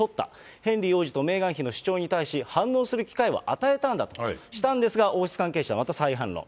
ヘンリー王子とメーガン妃の主張に対し、反応する機会を与えたんだとしたんですが、王室関係者は、また再反論。